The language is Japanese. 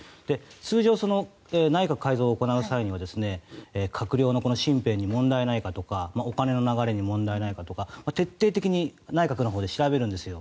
通常、内閣改造を行う際には閣僚の身辺に問題がないかとかお金の流れに問題がないかとか徹底的に内閣のほうで調べるんですよ。